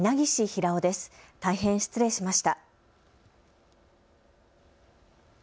大変、失礼しました。